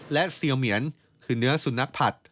และเซียวเหมียนคือเนื้อสุนัขผัด